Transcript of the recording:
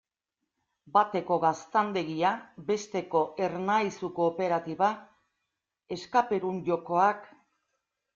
Bateko gaztandegia, besteko Ernaizu kooperatiba, escape-room jokoak...